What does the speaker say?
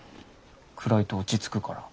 暗いと落ち着くから。